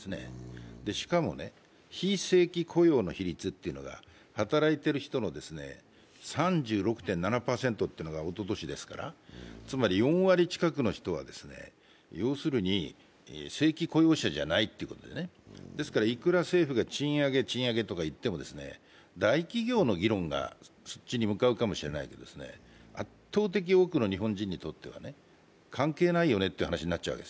しかも非正規雇用の比率というのが働いてる人の３６．７％というのがおととしですから、つまり４割近くの人は、要するに正規雇用者じゃないってことで、ですからいくら政府が賃上げ賃上げとかいっても大企業の議論がそっちに向かうかもしれないと、圧倒的多くの日本人にとっては、関係ないよねという話になっちゃうん。